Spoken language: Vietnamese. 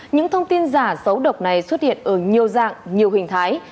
những thông tin giả xấu độc này xuất hiện ở nhiều dạng nhiều hình thái